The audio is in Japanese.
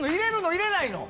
入れないの？